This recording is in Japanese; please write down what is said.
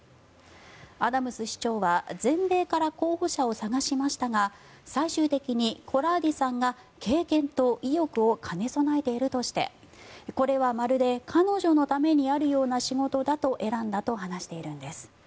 アダムス市長は全米から候補者を探しましたが最終的にコラーディさんが経験と意欲を兼ね備えているとしてこれはまるで彼女のためにあるような仕事だと選んだと話しているんです。